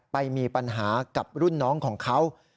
ไปมีปัญหากับรุ่นน้องของเขา